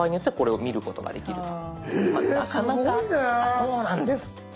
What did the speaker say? そうなんです。